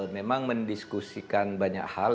memang mendiskusikan banyak hal